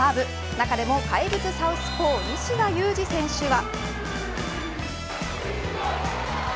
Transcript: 中でも怪物サウスポー西田有志選手は。